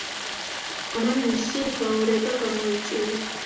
ამან მისი გაორება გამოიწვია.